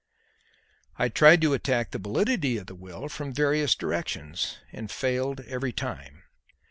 I tried to attack the validity of the will from various directions, and failed every time.